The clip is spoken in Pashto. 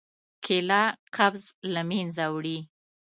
کېله قبض له منځه وړي.